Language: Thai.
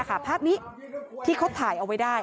ภาพนี้ที่เขาถ่ายเอาไว้ได้